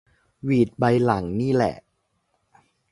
หวีดใบหลังนี่แหละ